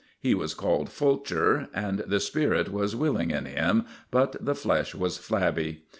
He was called Fulcher, and the spirit was willing in him, but the flesh was flabby.